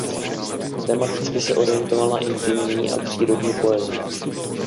Tematicky se orientoval na intimní a přírodní poezii.